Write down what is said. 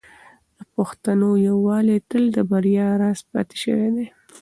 د پښتنو یووالی تل د بریا راز پاتې شوی دی.